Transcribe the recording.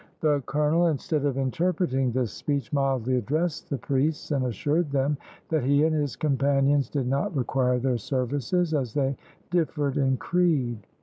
The colonel, instead of interpreting this speech, mildly addressed the priests, and assured them that he and his companions did not require their services, as they differed in creed.